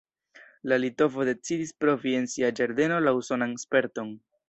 La litovo decidis provi en sia ĝardeno la usonan sperton.